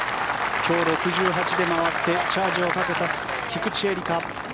今日、６８で回ってチャージをかけた菊地絵理香。